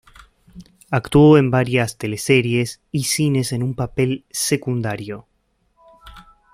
Actuó en varias teleseries y cines en un papel secundario.